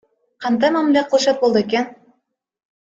Кандай мамиле кылышат болду экен?